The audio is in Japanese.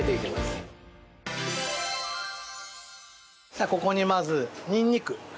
そしたらここにまずにんにく。